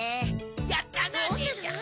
やったなねえちゃん。